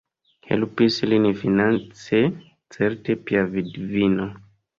Helpis lin finance certa pia vidvino.